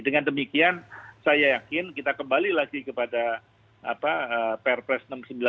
dengan demikian saya yakin kita kembali lagi kepada perpres enam puluh sembilan dua ribu dua puluh satu